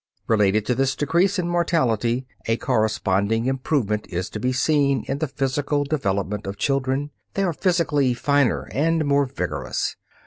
Related to this decrease in mortality a corresponding improvement is to be seen in the physical development of children; they are physically finer and more vigorous.